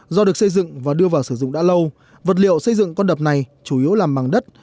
do được xây dựng và đưa vào sử dụng đã lâu vật liệu xây dựng con đập này chủ yếu làm bằng đất